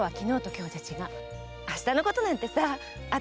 明日のことなんてさあ